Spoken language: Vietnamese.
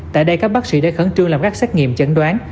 tại đây các bác sĩ đã khẩn trương làm các xét nghiệm chẩn đoán